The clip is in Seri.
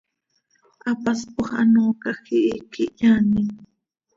Hapaspoj hanoocaj quih iiqui hyaanim.